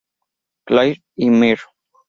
Clair y Mr.